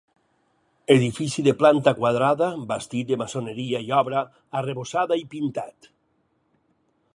Edifici de planta quadrada, bastit de maçoneria i obra, arrebossada i pintat.